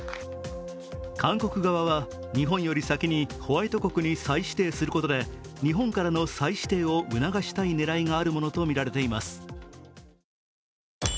韓国側は日本より先にホワイト国に再指定することで日本からの再指定を促したい狙いがあるものとみられています。